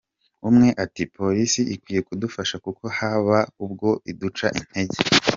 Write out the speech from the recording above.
Umwe ati “Polisi ikwiye kudufasha kuko haba ubwo iduca intege.